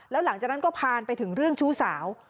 แล้วหลังจากนั้นก็ผ่านไปถึงเรื่องชู้สาว